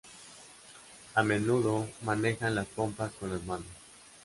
A menudo manejan las pompas con las manos.